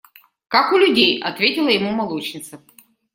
– Как у людей, – ответила ему молочница.